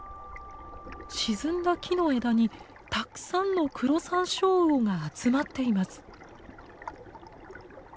沈んだ木の枝にたくさんのクロサンショウウオが集まっています。